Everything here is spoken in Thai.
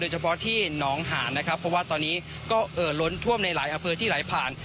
เฉพาะที่หนองหานนะครับเพราะว่าตอนนี้ก็เอ่อล้นท่วมในหลายอำเภอที่ไหลผ่าน